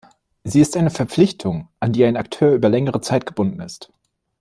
Sie ist eine Verpflichtung, an die ein Akteur über längere Zeit gebunden ist.